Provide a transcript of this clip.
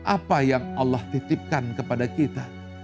apa yang allah titipkan kepada kita